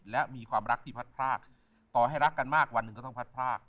และมีความรักที่พัดพรากต่อให้รักกันมากวันหนึ่งก็ต้องพัดพราก